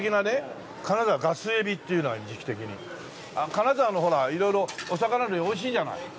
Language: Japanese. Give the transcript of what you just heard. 金沢のほら色々お魚類おいしいじゃない。